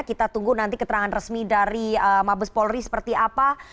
kita tunggu nanti keterangan resmi dari mabes polri seperti apa